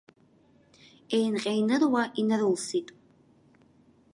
Еинҟьа-еиныруа инарылсит.